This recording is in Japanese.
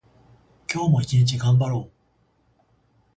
今日も一日頑張ろう。